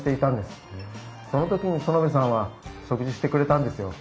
その時に薗部さんは食事してくれたんですよ。